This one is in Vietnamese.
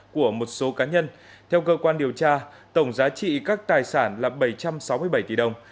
của một số cá nhân theo cơ quan điều tra tổng giá trị các tài sản là bảy trăm sáu mươi bảy tỷ đồng